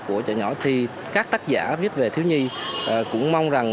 của trại nhỏ các tác giả viết về thiếu nhi cũng mong